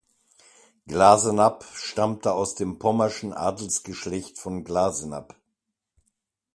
Glasenapp stammte aus dem pommerschen Adelsgeschlecht von Glasenapp.